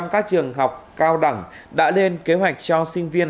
một trăm linh các trường học cao đẳng đã lên kế hoạch cho sinh viên